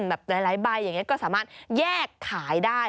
แบบหลายใบอย่างนี้ก็สามารถแยกขายได้